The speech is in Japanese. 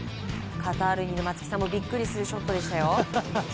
カタールにいる松木さんもビックリするショットでしたよ！